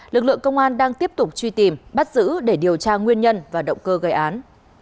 lực lượng công an đang tiếp tục truy tìm bắt giữ để điều tra nguyên nhân và động cơ gây án